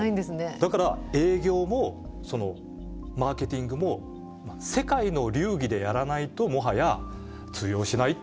だから営業もマーケティングも世界の流儀でやらないともはや通用しない。